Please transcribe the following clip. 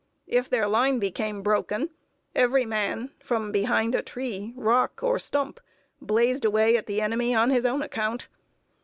If their line became broken, every man, from behind a tree, rock, or stump, blazed away at the enemy on his own account.